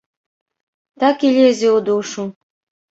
Так і лезе ў душу.